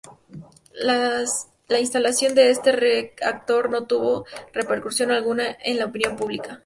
La instalación de este reactor no tuvo repercusión alguna en la opinión pública.